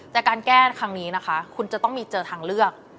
แต่การแก้ครั้งนี้นะคะคุณจะต้องมีเจอทางเลือก